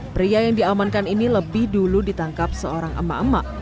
pria yang diamankan ini lebih dulu ditangkap seorang emak emak